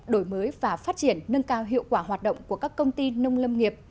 đổi mới và phát triển nâng cao hiệu quả hoạt động của các công ty nông lâm nghiệp